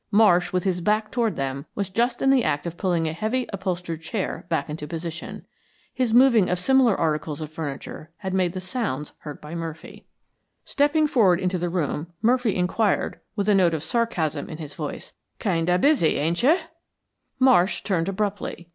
Marsh, with his back toward them, was just in the act of pulling a heavy, upholstered chair back into position. His moving of similar articles of furniture had made the sounds heard by Murphy. Stepping suddenly into the room, Murphy inquired, with a note of sarcasm in his voice, "Kind of busy, ain't you?" Marsh turned abruptly.